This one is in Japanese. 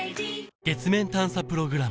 月面探査プログラム